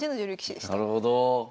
なるほど。